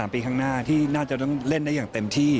ปีข้างหน้าที่น่าจะต้องเล่นได้อย่างเต็มที่